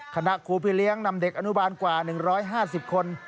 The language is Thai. คณะครูพี่เลี้ยงนำเด็กอนุบาลกว่า๑๕๐คน